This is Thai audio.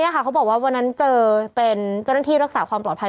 เขาบอกว่าวันนั้นเจอเป็นเจ้าหน้าที่รักษาความปลอดภัย